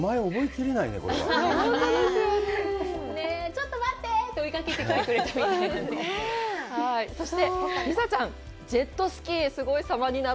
ちょっと待って！って追いかけてくれくれたのかな。